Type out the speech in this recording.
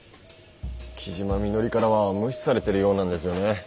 木嶋みのりからは無視されてるようなんですよね。